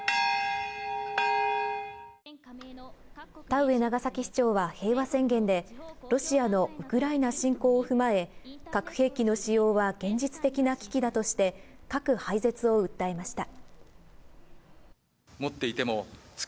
田上長崎市長は平和宣言で、ロシアのウクライナ侵攻を踏まえ、核兵器の使用は現実的な危機だとして核廃絶を訴えました。